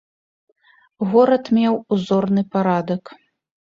Горад меў узорны парадак.